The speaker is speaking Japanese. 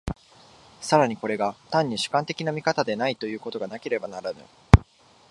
更にこれが単に主観的な見方でないということがなければならぬ。